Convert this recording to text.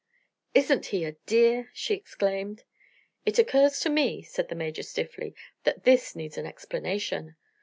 "Isn't he a dear!" she exclaimed. "It occurs to me," said the Major stiffly, "that this needs an explanation.